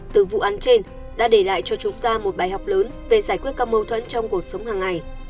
từ vụ án trên đã để lại cho chúng ta một bài học lớn về giải quyết các mâu thuẫn trong cuộc sống hàng ngày